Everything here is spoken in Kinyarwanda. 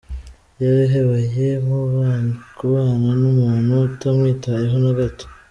Yihebeye kubana n’umuntu utamwitayeho na gato.